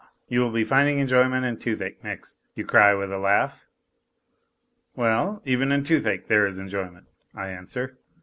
You will be finding enjoyment in toothache next," you cry, with a laugh. " Well ? Even in toothache there is enjoyment," I answer.